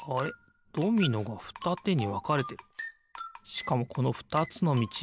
しかもこのふたつのみち